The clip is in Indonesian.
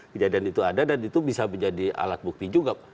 kejadian itu ada dan itu bisa menjadi alat bukti juga